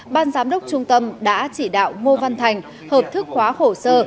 ban giám đốc trung tâm đã chỉ đạo ngô văn thành hợp thức hóa hồ sơ